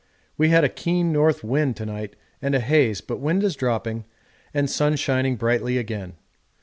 We had a keen north wind to night and a haze, but wind is dropping and sun shining brightly again.